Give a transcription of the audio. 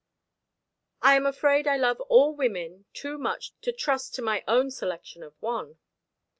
"I am afraid I love all women too much to trust to my own selection of one."